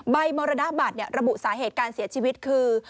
มรณบัตรระบุสาเหตุการเสียชีวิตคือ